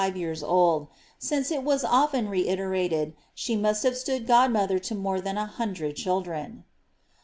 108 £we yean old, since it was often reiterated ^ she must have stood god mother to more than a hundred children.